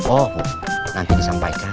oh nanti disampaikan